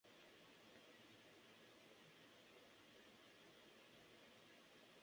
Su primer presidente fue el señor Leopoldo Olmedo.